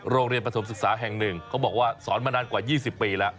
โรงเรียนประสบศึกษาแห่งหนึ่งเขาบอกว่าสอนมานานกว่ายี่สิบปีแล้ว